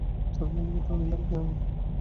তার মানে কি তুমি লাকি নও?